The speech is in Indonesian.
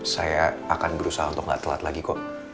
saya akan berusaha untuk gak telat lagi kok